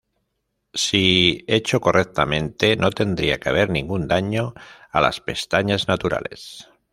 Si hecho correctamente, no tendría que haber ningún daño a las pestañas naturales.